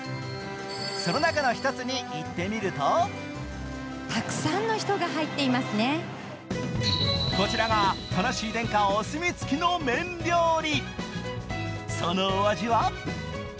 その中の１つに行ってみるとこちらがタナッシー殿下お墨付きの麺料理。